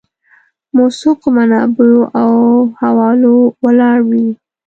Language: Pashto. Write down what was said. موثقو منابعو او حوالو ولاړ وي.